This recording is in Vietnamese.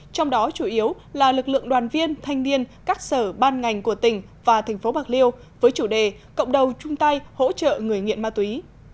trong đó chủ yếu là lực lượng đoàn viên thanh niên các sở ban ngành của tỉnh và thành phố bạc liêu với chủ đề cộng đồng chung tay hỗ trợ người nghiện ma túy